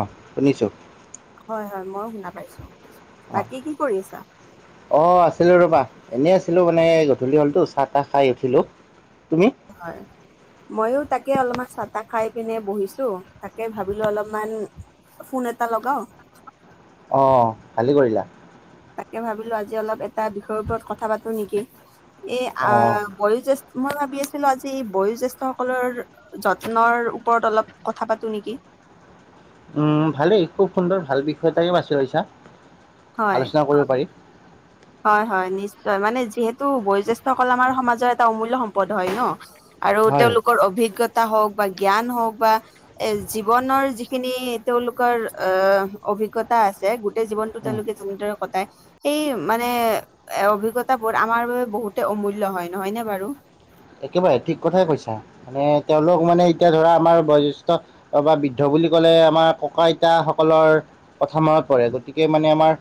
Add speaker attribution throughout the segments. Speaker 1: অ' শুনিছোঁ।
Speaker 2: হয় হয়, মইয়ো শুনা পাইছোঁ। বাকী কি কৰিছা?
Speaker 1: অ' আছিলো ৰবা, এনেই আছিলো মানে গধূলি হলতো চাহ তাহ খাই উঠিলো। তুমি?
Speaker 2: হয়। মইয়ো তাকে অলপমান চাহ তাহ খাই পিনে বহিছোঁ, তাকে ভাবিলো অলপমান - ফোন এটা লগাও।
Speaker 1: অ' ভালেই কৰিলা।
Speaker 2: তাকে ভাবিলো আজি অলপ এটা বিষয়ৰ ওপৰত কথা পাতো নেকি, এই আ
Speaker 1: অঁ
Speaker 2: বয়োজ্যেষ্ঠ মই ভাবি আছিলো আজি বয়োজ্যেষ্ঠসকলৰ - যত্নৰ ওপৰত অলপ কথা পাতো নেকি?
Speaker 1: উম, ভালেই খুব সুন্দৰ ভাল বিষয় এটাই বাছি লৈছা।
Speaker 2: হয়
Speaker 1: আলোচনা কৰিব পাৰি।
Speaker 2: হয় হয় নিশ্চয়, মানে যিহেতু বয়োজ্যেষ্ঠসকল আমাৰ সমাজৰ এটা অমূল্য সম্পদ হয় ন'। আৰু
Speaker 1: হয় হয়
Speaker 2: তেওঁলোকৰ অভিজ্ঞতা হওক বা জ্ঞান হওক বা - এ জীৱনৰ যিখিনি তেওঁলোকৰ আহ অভিজ্ঞতা আছে গোটেই জীৱনটোত -
Speaker 1: উম।
Speaker 2: তেওঁলোকে যেনেদৰে কটাই সেই - মানে এ অভিজ্ঞতাবোৰ আমাৰ বাবে বহুতে অমূল্য হয় নহয় নে বাৰু?
Speaker 1: একেবাৰে ঠিক কথাই কৈছা, মানে তেওঁলোক মানে এতিয়া ধৰা আমাৰ বয়োজ্যেষ্ঠ - বা বৃদ্ধ বুলি ক'লে আমাৰ ককা আইতাসকলৰ - কথা মনত পৰে, গতিকে মানে আমাৰ -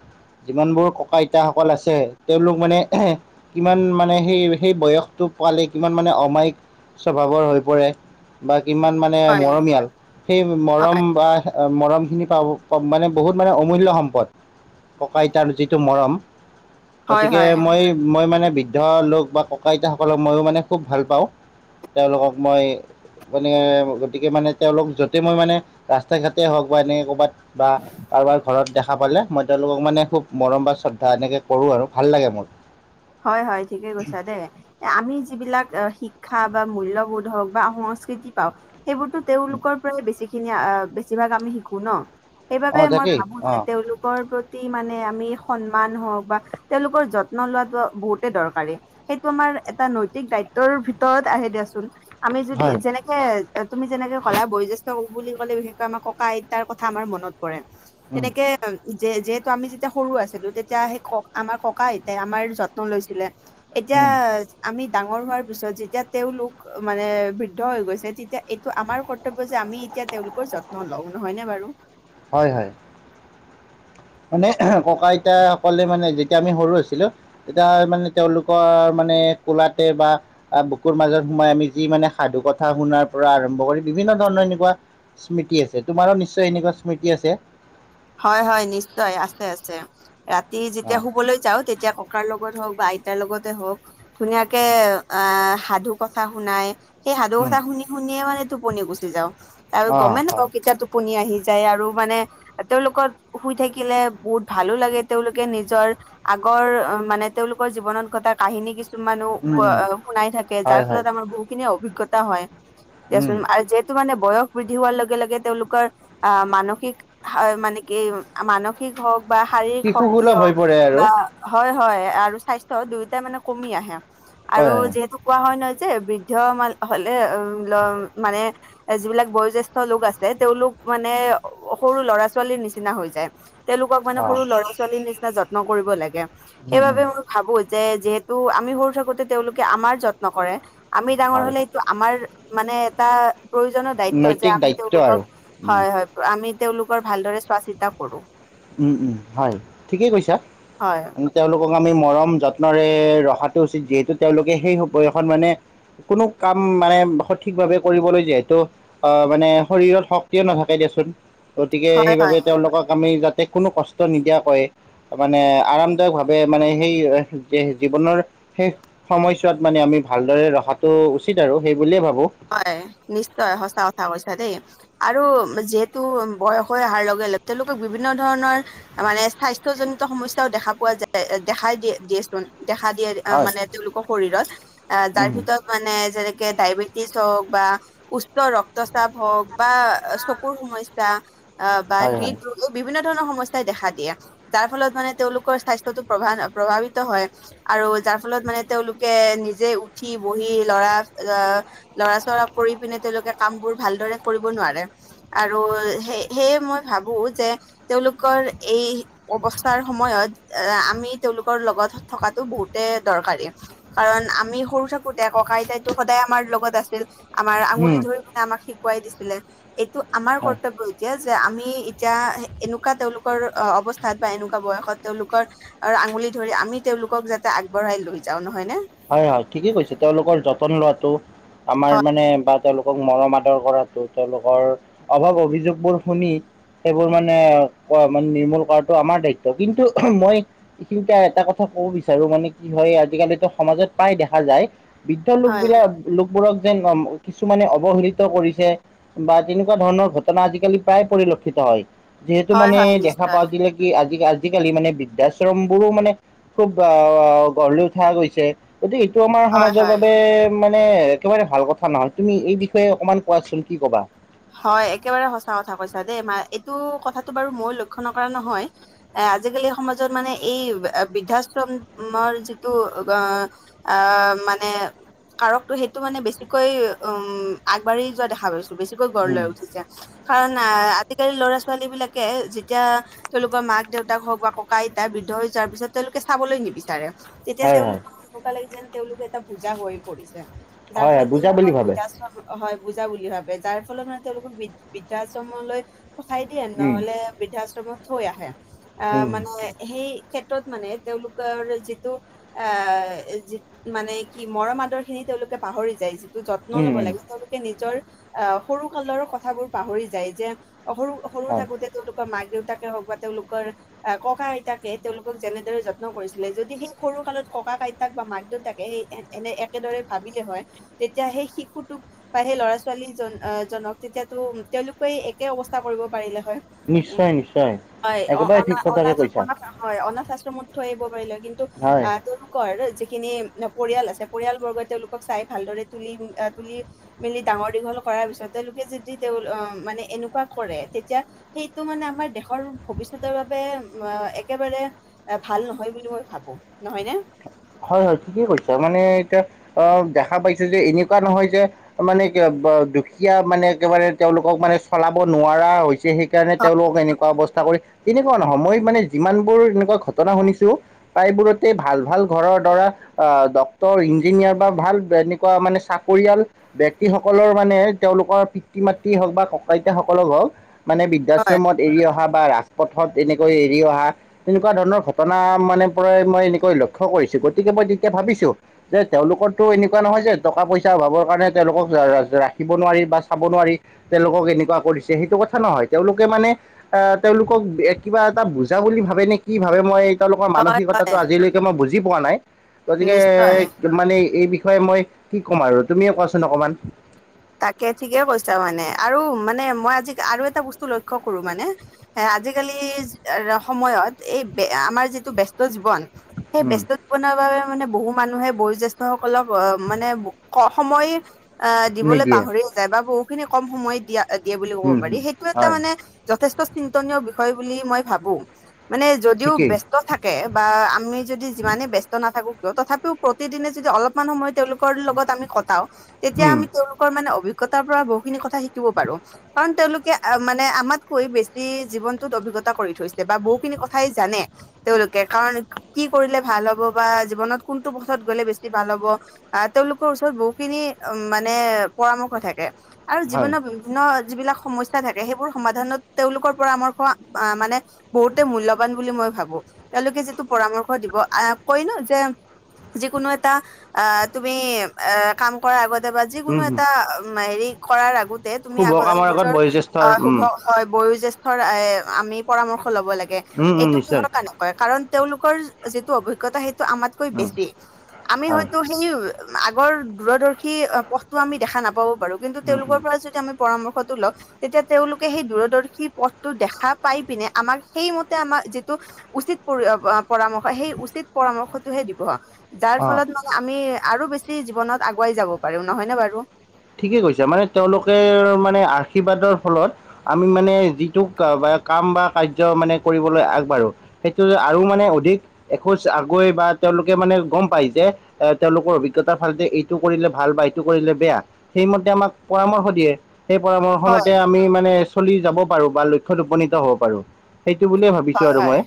Speaker 1: যিমানবোৰ ককা আইতাসকল আছে তেওঁলোক মানে - কিমান মানে সেই সেই বয়সটো পোৱালে - কিমান মানে অমায়িক স্বভাৱৰ হৈ পৰে, বা কিমান মা নে
Speaker 2: হয়
Speaker 1: মৰমীয়াল, সেই
Speaker 2: হয়।
Speaker 1: মৰম বা - মৰম খিনি পাব মানে বহুত মানে অমূল্য সম্পদ। ককা আইতাৰ যিটো মৰম।
Speaker 2: হয়
Speaker 1: গতিকে
Speaker 2: হয়
Speaker 1: মই মই মানে বৃদ্ধ লোক বা ককা আইতাসকলক মইও মানে খুব ভাল পাও। তেওঁলোকক মই - মানে গতিকে মানে তেওঁলোক য'তে মই মানে ৰাস্তা ঘাটেই হওক বা এনেকে ক'ৰবাত - বা কাৰোবাৰ ঘৰত দেখা পালে মই - তেওঁলোকক মানে খুব মৰম বা শ্ৰদ্ধা এনেকে কৰোঁ আৰু ভাল লাগে মোৰ।
Speaker 2: হয় হয় ঠিকেই কৈছা দেই। এ আমি যিবিলাক শিক্ষা বা মূল্যবোধ হওঁক বা সংস্কৃতি পাওঁ, সেইবোৰতো তেওঁলোকৰ পৰা বেছি খিনি বেছিভাগ আমি শিকো ন। সেইবাবে
Speaker 1: অঁ
Speaker 2: মই
Speaker 1: তাকেই
Speaker 2: ভাবো যে
Speaker 1: অঁ
Speaker 2: তেওঁলোকৰ প্ৰতি প্ৰতি মানে আমি সন্মান হওঁক বা তেওঁলোকৰ যত্ন লোৱাটো বহুতে দৰকাৰী। সেইটো আমাৰ এটা নৈতিক দায়িত্বৰ ভিতৰত আহে দিয়াচোন। আমি যদি
Speaker 1: হয়
Speaker 2: যেনেক তুমি যেনেকে ক'লা বয়োজ্যষ্ঠ বুলি ক'লে বিশেষকৈ আমাৰ ককা আইতাৰ কথা আমাৰ মনত পৰে।
Speaker 1: উম
Speaker 2: তেনেকে যে যিহেতু আমি যেতিয়া সৰু আছিলো তেতিয়া সেই আমাৰ ককা আইতাই আমাৰ যত ন লৈছিলে, এতিয়া
Speaker 1: উম
Speaker 2: আমি ডাঙৰ হোৱাৰ পিছত যেতিয়া তেওঁলোক মানে বৃদ্ধ হৈ গৈছে তেতিয়া এইটো আমাৰ কৰ যে আমি এতিয়া তেওঁলোকৰ যত্ন লওঁ নহয় নে বাৰু?
Speaker 1: হয় হয়। মানে ককা আইতাসকলে মানে যেতিয়া আমি সৰু আছিলো তেতিয়া মানে তেওঁলোকৰ মানে কোলাতে বা আহ বুকুৰ মাজত সোমাই আমি যি মানে সাধু কথা শুনাৰ পৰা আৰম্ভ কৰি বিভিন্ন ধৰণৰ এনেকুৱা স্মৃতি আছে। তোমাৰো নিশ্চয় এনেকুৱা স্মৃতি আছে?
Speaker 2: হয় হয় নিশ্চয় আছে আছে, ৰাতি যেতিয়া
Speaker 1: অঁ
Speaker 2: শুবলৈ যাও তেতিয়া ক কাৰ লগত হওঁক বা আইতাৰ লগতে হওঁক আহ ধুনীয়াকে সাধু কথা শুনাই সেই সাধু কথা শুনি শুনিয়ে মানে টোপনি গুচি যাওঁ আৰু
Speaker 1: অঁ
Speaker 2: গমে
Speaker 1: হয়
Speaker 2: নাপাও কেতিয়া টো পনি আহি যায় আৰু মানে তেওঁলোকত শুই থাকিলে বহুত ভালো লাগে তেওঁলোকে নিজৰ আগৰ মানে তেওঁলোকৰ জীৱনত ঘটা কাহিনী কিছু মানো
Speaker 1: উম উম
Speaker 2: শুনাই থাকে যাৰ
Speaker 1: হয় হয়
Speaker 2: ফলত আমাৰ বহুখিনি অভিজ্ঞতা হয়
Speaker 1: উম
Speaker 2: দিয়াচোন আৰু যি টো মানে বয়স বৃদ্ধি হোৱাৰ লগে লগে তেওঁলোকৰ অ মানসিক মানে কি মানসিক হওঁক বা শাৰীৰিক
Speaker 1: শিশু
Speaker 2: শক্তি
Speaker 1: সুলভ হৈ
Speaker 2: হওঁক
Speaker 1: পৰে আৰু
Speaker 2: বা হয় হয় আৰু স্বাস্থ্য দুয়োটাই মানে কমি আহে
Speaker 1: হয়
Speaker 2: আৰু
Speaker 1: হয়
Speaker 2: যিহেতু কোৱা হয় নহয় যে বৃদ্ধ মান হ'লে অ ল উ মানে এ যিবিলাক বয়োজ্যেষ্ঠ লোক আছে তেওঁলোক মানে সৰু ল'ৰা ছোৱালীৰ নিচিনা হৈ যায়, তেওঁলোকক মানে
Speaker 1: অ
Speaker 2: সৰু ল'ৰা ছোৱালীৰ নিচিনা যত্ন কৰিব লাগে।
Speaker 1: উম
Speaker 2: সেইবাবে
Speaker 1: উম
Speaker 2: মই ভাবো যে যিহেতুু আমি সৰু থাকোতে তেওঁলোকে আমাৰ যত্ন কৰে আমি ডাঙৰ
Speaker 1: হয়
Speaker 2: হ'লে এইটো আমাৰ মানে এটা প্ৰয়োজনত দায়িত্ব যে
Speaker 1: নৈতিক
Speaker 2: আমি
Speaker 1: দায়িত্ব আৰু
Speaker 2: তেওঁলোকক
Speaker 1: উম
Speaker 2: হয় হয়, আমি তেওঁলোকৰ ভালদৰে চোৱা চিতা কৰো।
Speaker 1: উম উম হয় ঠিকেই কৈছা।
Speaker 2: হয়।
Speaker 1: তেওঁলোকক আমি মৰম যত্নৰে ৰখাটো উচিত যিহেতু তেওঁলোকে সেই বয়সত মানে কোনো কাম মানে সঠিক ভাৱে কৰিবলৈ যিহেতু অ মানে শৰীৰত শক্তি নাথাকে দেচোন, গতিকে
Speaker 2: হয় হয়
Speaker 1: সেইবাবে তেওঁলোকক আমি যাতে এই কোনো কষ্ট নিদিয়া কয় মানে আৰামদায়ক ভাৱে মানে সেই জীৱনৰ সেই সময়ছোৱাত মানে আমি ভালদৰে ৰখাটো উচিত আৰু সেই বুলিয়ে ভাবো।
Speaker 2: হয় নিশ্চয় সঁচা কথা কৈছা দেই। আৰু যিহেতু বয়স হৈ অহাৰ লগে লগে তেওঁলোকক বিভিন্ন ধৰণৰ মানে স্বাস্থ্য জনিত সমস্যাৰ দেখা পোৱা যায় দেখাই দিয়ে-দিয়েচোন দেখা দিয়ে অ
Speaker 1: হয়
Speaker 2: মানে তেওঁলোকৰ শৰীৰত, অ তাৰ
Speaker 1: উম,
Speaker 2: ভিতৰত মানে যেনেকে ডায়বেটি হওক বা উচ্চ ৰক্তচাপ হক'বা চকুৰ সমস্যা অ বাহ
Speaker 1: হয় হয়
Speaker 2: হিত বিভিন্ন ধৰণৰ সমস্যা দেখা দিয়ে। যাৰ ফলত মানে তেওঁলোকৰ স্বাস্থ্যটো প্ৰভাব প্ৰভাৱিত হয়' আৰু যাৰ ফলত মানে তেওঁলোকে নিজে উঠি বহি লৰা আহ লৰা ছৰা কৰি পিনে তেওঁলোকে কাম বোৰ ভালদৰে কৰিব নোৱাৰে। আৰু সে সেয়ে মই ভাবো যে' তেওঁলোকৰ এই অৱস্থাৰ সময়ত এ আমি তেওঁলোকৰ লগত থকাতটো বহুতে দৰকাৰী। কাৰণ আমি সৰু থাকোতে ককা আইতাইতো সদায় আমাৰ লগত আছিল। আমাৰ আঙুলি
Speaker 1: উম,
Speaker 2: ধৰি পিনে আমাক শিকোৱাই দিছিলে, এইটো আমাৰ
Speaker 1: হয়
Speaker 2: কৰ্তব্য এতিয়া যে আমি এতিয়া এনেকুৱা তেওঁলোকৰ অৱস্থাত বা এনেকুৱা বয়সত তেওঁলোকৰ আৰু আঙুলি ধৰি আমি তেওঁলোকক যাতে আগবঢ়াই লৈ যাওঁ নহয় নে?
Speaker 1: হয় হয় ঠিকেই কৈছে, তেওঁলোকৰ যতন লোৱাটো আমাৰ
Speaker 2: হয়
Speaker 1: মানে বাট তেওঁলোকক মৰম আদৰ কৰাতো তেওঁলোকৰ অভাৱ অভিযোগবোৰ শুনি সেইবোৰ মানে ক মান নিৰ্মূল কৰাটো আমাৰ দায়িত্ব। কিন্তু মই কিন্তু এটা কথা কব বিচাৰো মানে কি হয় আজিকালিতো সমাজত পাই, দেখা যায়। বৃদ্ধ
Speaker 2: হয়
Speaker 1: লোকবিলাক লোকবোৰক যেন কিছুমানে অৱহেলিত কৰিছে' বা তেনেকুৱা ধৰণৰ আজিকালি প্ৰায় পৰিলক্ষিত হয়। যিহেতু
Speaker 2: হয়
Speaker 1: মানে
Speaker 2: হয়
Speaker 1: দেখা
Speaker 2: নিশ্চয়
Speaker 1: পাওঁ যি কি আজি আজিকালি মানে বৃদ্ধাশ্ৰম বোৰো মানে খুব আহ গঢ় লৈ উঠা গৈছে। গতিকে এইটো আমাৰ
Speaker 2: হয়
Speaker 1: সমাজৰ
Speaker 2: হয়
Speaker 1: বাবে মানে একেবাৰে ভাল কথা নহয় তুমি এই বিষয়ে অকমান কোৱাচোন কি কবান
Speaker 2: হয় একেবাৰে সঁচা কথা কৈছা দেই মা এইটো' কথাটো' বাৰু মই লক্ষ্য নকৰা নহয়! এ আজিকালি সমাজত মানে এই বৃদ্ধাশ্ৰমৰ যিটো আহ অ মানে কাৰকো সেইটো মানে বেছিকৈ উম আগবাঢ়ি যোৱা দেখা পাইছো, বেছিকৈ গঢ় লৈ উঠিছে। কাৰণ আহ আজিকালি ল'ৰা ছোৱালী বিলাকে যেতিয়া তেওঁলোকৰ মাক দেউতাক হওক বা ককা আইতা বৃদ্ধ হৈ যোৱাৰ পিছত তেওঁলোকে চাবলৈ নিবিচাৰে। তেতিয়া
Speaker 1: হয় হয়
Speaker 2: তেওঁলোকৰ [unintelligible] এনে লাগি যেন তেওঁলোকে এটা বুজা হৈ পৰিছে। যাৰ
Speaker 1: হয় হয়
Speaker 2: ফলত
Speaker 1: বুজা বুলি
Speaker 2: তেওঁলোকৰ
Speaker 1: ভাবে
Speaker 2: বুজাম হয়' বুজা বুলি ভাবে যাৰ ফলত মানে তেওঁলোককৃ বৃদ্ধাশ্ৰমলৈ পঠাই দিয়ে,
Speaker 1: উম
Speaker 2: নহলে বৃদ্ধাশ্ৰমত থৈ আহে। আহ
Speaker 1: উম
Speaker 2: মানে সেই ক্ষেত্ৰত মানে তেওঁলোকৰ যিটো আহ যি মানে মৰম আদৰ খিনি তেওঁলোকে পাহৰি যায় যত্ন
Speaker 1: উম
Speaker 2: লব
Speaker 1: উম
Speaker 2: লাগে, তেওঁলোকে নিজৰ আহ সৰু কালৰ কথাবোৰ পাহৰি যায় যে' সৰু সৰু
Speaker 1: হয়
Speaker 2: থাকোতে তেওঁলোকৰ মাক দেউতাকৰ হওক বা তেওঁলোকৰ আহ ককা আইতাকে তেওঁলোকক যেনেদৰে যত্ন কৰিছিলে যদি' সেই সৰু কালত ককা আইতাক বা মাক দেউতাকে সেই এনে একেদৰে ভাবিলে হয় তেতিয়া সেই শিশুটোক বা সেই ল'ৰা ছোৱালী জন জনাক তেতিয়াতো তেওঁলোকেও একে অৱস্থা কৰিব পাৰিলে হয়। উম
Speaker 1: নিশ্চয় নিশ্চয়
Speaker 2: হয়,
Speaker 1: একেবাৰে
Speaker 2: অনা
Speaker 1: ঠিক কথাকে
Speaker 2: আন্নাথ
Speaker 1: কৈছা
Speaker 2: তম হয় অনাৰ্তআশ্ৰমট থৈ আহিব পাৰিলে' কিন্তু
Speaker 1: হয়
Speaker 2: আ তেওঁলোকৰ যিখিনি পৰিয়াল আছে, পৰিয়াল বৰ্গ তেওঁলোকক চাই ভালদৰে তুলি তুলি মিলি ডাঙৰ-দীঘল কৰাৰ পিছত তেওঁলোকে যদি তেওঁ মানে এনেকুৱা কৰে, তেতিয়া সেইটো মানে আমাৰ দেশৰ ভৱিষ্যতৰ বাবে একেবাৰে এ ভাল নহয় বুলি মই ভাবো, নহয় নে?
Speaker 1: হয় হয় ঠিকেই কৈছে, মানে এতিয়া অ দেখা পাইছো যে এনেকুৱা নহয় যে মানে দুখীয়া মানে একেবাৰে তেওঁলোকক মানে চলাব নোৱাৰা হৈছে তে সেইকাৰণে
Speaker 2: হয়
Speaker 1: তেওঁলোকক এনেকুৱা অৱস্থা কৰি তেনেকুৱা নহয়, মই মানে যিমানবোৰ এনেকুৱা ঘটনা শুনিছো প্ৰায়বোৰতে ভাল ভাল ঘৰৰ ধৰা আ ডক্টৰ, ইঞ্জিনিয়াৰ বা ভাল এনেকুৱা মানে চাকৰিয়াল বক্তিসকলৰ মানে তেওঁলোকৰ পিতৃ-মাতৃয়ে হওক বা ককা-আইতাসকলেই হওক মানে
Speaker 2: হয়
Speaker 1: বৃদ্ধাশ্ৰমত এৰি অহা বা ৰাজপথত এনেকৈ এৰি অহা এনেকুৱা ধৰণৰ ঘটনা মানে প্ৰায় মই এনেকৈ লক্ষ্য কৰিছো, গতিকে মই তেতিয়া ভাবিছো যে তেওঁলোকৰটো এনেকুৱা নহয় যে টকা-পইচা অভাৱৰ কাৰণে তেওঁলোকক ৰা ৰা ৰাখিব নোৱাৰি বা চাব নোৱাৰি তেওঁলোকক এনেকুৱা কৰিছে সেইটো কথা নহয় তেওঁলোকে মানে আহ তেওঁলোকক এ কিবা এটা বুজা বুলি ভাবে নে কি ভাবে মই তেওঁলোকৰ
Speaker 2: হয়
Speaker 1: মানসিকতাটো
Speaker 2: হয়
Speaker 1: আজিলৈকে মই বুজি পোৱা নাই, গতিকে
Speaker 2: নিশ্চয়
Speaker 1: [unintelligible] মানে এই বিষয়ে মই কি ক'ম আৰু তুমিয়ে কোৱাচোন অকণমান?
Speaker 2: তাকে, ঠিকেই কৈছা মানে আৰু মানে মই আজি আৰু এটা বস্তু লক্ষ্য কৰো মানে হে আজিকালি [unintelligible] সময়ত এই বে আমাৰ যিটো ব্যস্ত জীৱন সেই ব্যস্ত [unintelligible] বাবে মানে বহু মানুহে বয়োজ্যেষ্ঠসকলক আহ মানে ব স সময় আহ দিবলৈ
Speaker 1: নিদিয়ে
Speaker 2: পাহৰি যায় বা বহুখিনি কম সময় দিয়া দিয়ে বুলি ক'ব
Speaker 1: উম,
Speaker 2: পাৰি
Speaker 1: হম,
Speaker 2: সেইটো এটা
Speaker 1: হয়
Speaker 2: মানে যথেষ্ট চিন্তনীয় বিষয় বুলি মই ভাবো, মানে যদিও
Speaker 1: ঠিকেই
Speaker 2: বেছ ত থাকে বা আমি যদি যিমানে ব্যস্ত নাথাকো কিয় তথাপিও প্ৰতিদিনে যদি অলপ মান সময় তেওঁলোকৰ লগত আমি কটাও তেতিয়া
Speaker 1: উম,
Speaker 2: আমি তেওঁলো কৰ মানে অভিজ্ঞতাৰ পৰা বহুখিনি কথা শিকিব পাৰো। কাৰণ তেওঁলোকে আ মানে আমাতকৈ বেছি জীৱনটোত অভিজ্ঞতা কৰি থৈছে বা বহুখিনি কথাই জানে। তেওঁলোকে কাৰণ কি কৰিলে ভাল হব বা জীৱনত কোনটো পথত গ'লে বেছি ভাল হ'ব আহ তেওঁলোকৰ ওচৰত বহুখিনি অ মানে পৰামৰ্শ থাকে আৰু
Speaker 1: হয়
Speaker 2: জীৱনৰ ন যিবিলাক সমস্যা থাকে সেইবোৰ সমাধানত তেওঁলোকৰ পৰামৰ্শ আহ মানে বহুতে মূল্যৱান বুলি মই ভাবো, তেওঁলোকে যিটো পৰামৰ্শ দিব আহ কয় ন যে যিকোনো এটা আ তুমি আ কাম কৰাৰ আগতে বা যিকোনো
Speaker 1: উম, হম,
Speaker 2: এটা মা হেৰি কৰাৰ আগতে তুমি
Speaker 1: শুভ
Speaker 2: আগত
Speaker 1: কামৰ
Speaker 2: নিজৰ
Speaker 1: বয়োজ্যেষ্ঠৰ
Speaker 2: আহ শুভ
Speaker 1: উম
Speaker 2: হয় বয়োজ্যেষ্ঠৰ এ আমি পৰামৰ্শ লব লাগে,
Speaker 1: উম উম
Speaker 2: এইটো
Speaker 1: নিশ্চয়
Speaker 2: কিহৰ কাৰণে? কয় কাৰণ তেওঁলোকৰ যিটো অভিজ্ঞতা সেইটো আমাতকৈ
Speaker 1: উম
Speaker 2: বেছি, আমি
Speaker 1: হয়
Speaker 2: হয়তো [unintelligible] আগৰ দূৰদৰ্শী অ পথটো আমি দেখা নাপাব পাৰো কিন্তু
Speaker 1: উম
Speaker 2: তেওঁলোকৰ
Speaker 1: উম
Speaker 2: পৰা যদি আমি পৰামৰ্শটো লও এতিয়া তেওঁলোকে সেই দূৰদৰ্শী পথটো দেখা পাই পিনে আমাক সেইমতে আমাৰ যিটো উচিত পৰি [unintelligible] পৰামৰ্শ, সেই উচিত পৰামৰ্শটোহে দিব। যাৰ
Speaker 1: অ
Speaker 2: ফলত মানে আমি আৰু বেছি জীৱনত আগুৱাই যাব পাৰিম নহয় নে বাৰু?
Speaker 1: ঠিকেই কৈছে মানে তেওঁলোকে মানে আশীৰ্বাদৰ ফলত আমি মানে যিটো কা বা কাম বা কাৰ্য মানে কৰিবলৈ আগবাঢ়ো সেইটো আৰু মানে অধিক এখোজ আগুৱাই বা তেওঁলোকে মানে গম পায় যে এ তেওঁলোকৰ অভিজ্ঞতা ফালে এইটো কৰিলে ভাল বা এইটো কৰিলে বেয়া। সেইমতে আমাক পৰামৰ্শ দিয়ে, সেই
Speaker 2: হয়
Speaker 1: পৰামৰ্শমতে আমি মানে চলি যাব পাৰো বা লক্ষ্যত উপনীত হ'ব পাৰো, সেইটো বুলিয়ে ভাব
Speaker 2: হয়-হয়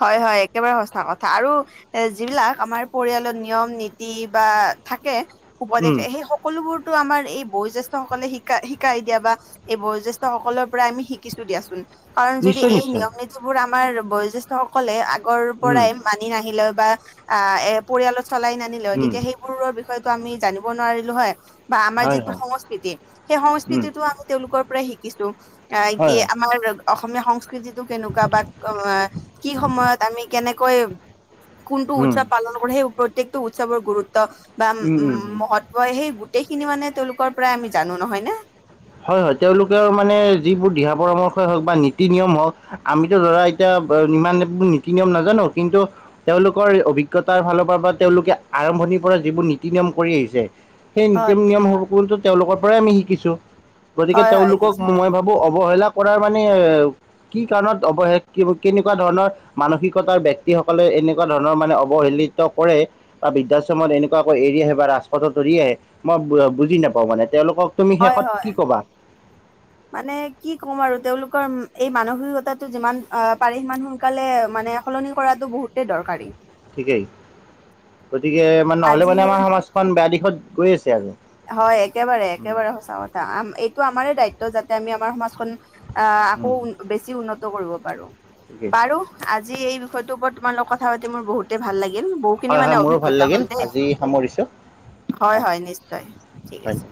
Speaker 2: হয়-হয় একেবাৰে সচা কথা আৰু এ, যিবিলাক আমাৰ পৰিয়ালৰ নিয়ম - নীতি বা থাকে উপদেশ
Speaker 1: উম
Speaker 2: সেই স কলোবোৰতো আমাৰ এই বয়োজ্যেষ্ঠ সকলে শিকা শিকাই দিয়া বা সেই বয়োজ্যেষ্ঠসকলৰ পৰাই আমি শিকিছো দিয়াচোন। কাৰণ যদি
Speaker 1: নিশ্চয়
Speaker 2: এই
Speaker 1: নিশ্চয়
Speaker 2: নিয়ম - নীতিবোৰ আমাৰ বয়োজ্যেষ্ঠ সকলে আগৰ
Speaker 1: উম
Speaker 2: পৰাই মানি নাহিলে বা আহ এ পৰিয়ালত চলাই নানিলেও
Speaker 1: উম
Speaker 2: তেতিয়া সেই বোৰৰ বিষয়তো আমি জানিব নোৱাৰিলো হয় বা আমাৰ
Speaker 1: হয়
Speaker 2: যিটো
Speaker 1: হয়
Speaker 2: সংস্কৃতি সেই
Speaker 1: উম
Speaker 2: সংস্কৃতিটো আমি তেওঁলোকৰ পৰাই শিকিছো অ,
Speaker 1: হয়
Speaker 2: কি
Speaker 1: হয়
Speaker 2: আমাৰ অসমীয়া সংস্কৃতিটোক কেনেকোৱা বা অ, কি সময়ত আমি কেনেকৈ কোনটো
Speaker 1: উম,
Speaker 2: উৎসৱ পালন কৰে সেই প্ৰত্যেকটো উৎসৱৰ গুৰুত্ব বা উম মহ কয় সেই গোটেই খিনি মানে তেওঁলোকৰ পৰাই আমি জানো নহয় নে
Speaker 1: হয়-হয় তেওঁলোকেও মানে যিবোৰ দিহা পৰামৰ্শই হওক বা নীতি-নিয়ম হওক আমিতো ধৰা এতিয়া ইমান নীতি-নিয়ম নাজানো কিন্তু তেওঁলোকৰ এই অভিজ্ঞতাৰ ফালৰ পৰা বা তেওঁলোকে আৰম্ভণিৰ পৰা যিবোৰ নীতি-নিয়ম কৰি আহিছে সেই নীতি
Speaker 2: হয়।
Speaker 1: নিয়ম সমূহতো তেওঁলোকৰ পৰাই আমি শিকিছো। গতিকে
Speaker 2: হয় হয়
Speaker 1: তেওঁলোকক
Speaker 2: নিশ্চয়
Speaker 1: মই ভাবো অৱহেলা কৰাৰ মানে কি কাৰণত অৱহে কি কেনেকোৱা ধৰণৰ মানসিকতাৰ ব্যক্তিসকলে এনেকোৱা ধৰণৰ মানে অৱহেলিত কৰে। বা বৃদ্ধাশ্ৰমত এনেকোৱা একো এৰি আহে বা ৰাজপথত ধৰি আহে মই বুজি নাপাওঁ মানে তেওঁলোকক তুমি শেষত কি
Speaker 2: হয়-হয়
Speaker 1: [unintelligible]
Speaker 2: মানে কি ক'ম আৰু তেওঁলোকৰ এই মানসিকতাটো যিমান আ পাৰে সিমান সোনকালে মানে সলনি কৰাতো বহুতেই দৰকাৰী।
Speaker 1: ঠিকেই গতিকে মানে নহ'লে
Speaker 2: আজি
Speaker 1: মানে আমাৰ সমাজখন বেয়া দিশত গৈ আছে আৰু।
Speaker 2: হয় একেবাৰে
Speaker 1: উম,
Speaker 2: একেবাৰে সঁচা কথা এইটো আমাৰ দায়িত্ব যাতে আমি আমাৰ সমাজখন আহ, আকৌ
Speaker 1: উম,
Speaker 2: বেছি উন্নত কৰিব পাৰো
Speaker 1: ঠিকেই
Speaker 2: বাৰু আজি এই বিষয়টোৰ ওপৰত তোমাৰ লগত কথা পাতি মোৰ বহু তেই ভাল লাগিল
Speaker 1: হয়
Speaker 2: বহুখিনি
Speaker 1: হয়
Speaker 2: মানে
Speaker 1: মোৰো ভাল
Speaker 2: অভিজ্ঞতা
Speaker 1: লাগিল
Speaker 2: হ'ল দেই
Speaker 1: আজি সামৰিছোঁ
Speaker 2: হয়-হয় নিশ্চয়। ঠিক
Speaker 1: হয়।
Speaker 2: আছে